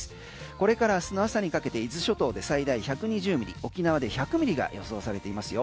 これからあすの朝にかけて伊豆諸島で最大１２０ミリ沖縄で１００ミリが予想されていますよ。